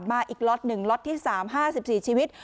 มาอีกล็อตหนึ่งล็อตที่สามห้าสิบสี่ชีวิต